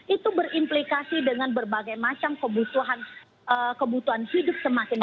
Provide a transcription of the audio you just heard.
itu berimplikasi dengan berbagai macam kebutuhan hidup semakin banyak